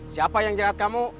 siapa yang jangat kamu